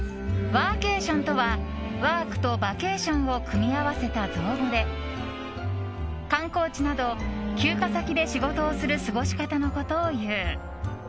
ワーケーションとはワークとバケーションを組み合わせた造語で観光地など休暇先で仕事をする過ごし方のことを言う。